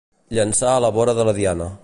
Llençar a la vora de la diana.